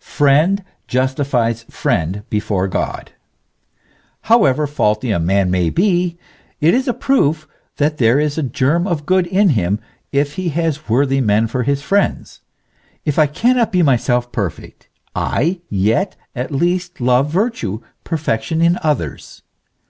Friend justifies friend before God. However faulty a man may be, it is a proof that there is a germ of good in him if he has worthy men for his friends. If I cannot be myself perfect, I yet at least love virtue, perfection in others.